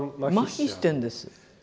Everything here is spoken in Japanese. まひしてるんです。